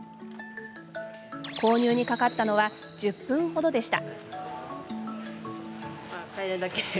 購入にかかったのは１０分ほどでした。